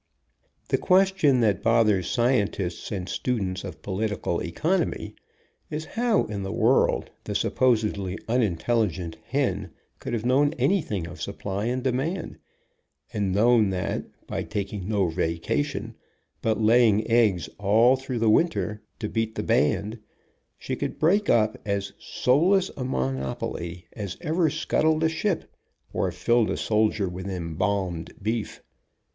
The question that bothers scientists and students of political economy is how in the world the sup posedly unintelligent hen could have known anything of supply and demand, and known that, by taking no vacation, but laying eggs all through the winter to beat the band, she could break up as soulless a mon opoly as ever scuttled a ship, or filled a soldier with embalmed beef.